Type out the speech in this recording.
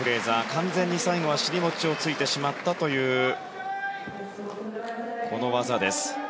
完全に最後は尻餅をついてしまったというこの技です。